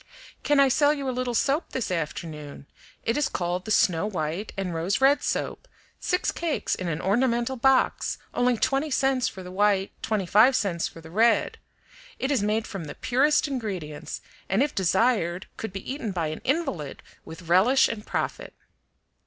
"Can I sell you a little soap this afternoon? It is called the Snow White and Rose Red Soap, six cakes in an ornamental box, only twenty cents for the white, twenty five cents for the red. It is made from the purest ingredients, and if desired could be eaten by an invalid with relish and profit."